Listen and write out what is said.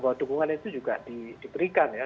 bahwa dukungan itu juga diberikan ya